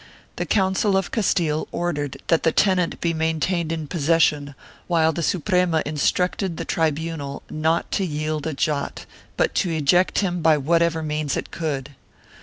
The Council of Castile ordered that the tenant be maintained in possession, while the Suprema instructed the tribunal not to yield a jot, but to eject him by whatever means it could.